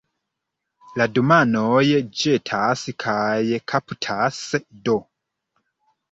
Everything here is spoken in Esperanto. La du manoj ĵetas kaj kaptas do.